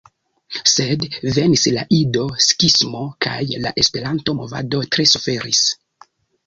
Sed venis la Ido-skismo, kaj la Esperanto-movado tre suferis.